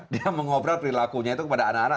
dia mengobrol perilakunya itu kepada anak anak